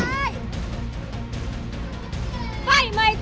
ไม่ล่ะ